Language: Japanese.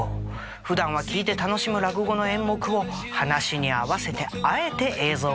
ふだんは聞いて楽しむ落語の演目を噺に合わせてあえて映像化致しました。